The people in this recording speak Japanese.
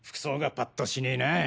パッとしねぇな。